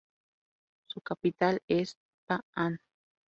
Su capital es Hpa-An.